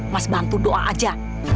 mas bantu doa aja